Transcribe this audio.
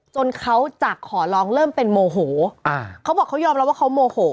เขาจะขอร้องเริ่มเป็นโมโหอ่าเขาบอกเขายอมรับว่าเขาโมโห